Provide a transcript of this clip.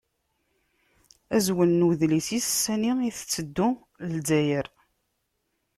Azwel n udlis-is: Sani i tetteddu Zzayer?